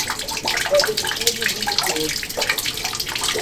Proselitismo religioso